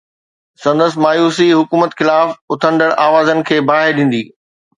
سندن مايوسي حڪومت خلاف اٿندڙ آوازن کي باهه ڏيندي.